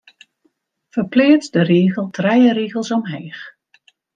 Ferpleats de rigel trije rigels omheech.